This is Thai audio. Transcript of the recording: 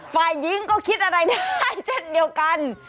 ฟายยิงก็คิดอะไรได้เจ็ดเดียวกัน